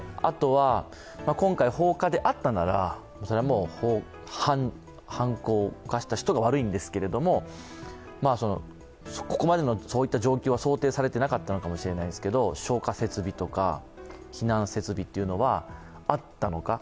今回、放火であったなら犯行、犯した人が悪いんですけれども、ここまでの状況は想定されてなかったのかもしれないですが消火設備とか、避難設備はあったのか。